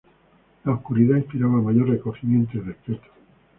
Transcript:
La oscuridad inspiraba mayor recogimiento y respeto.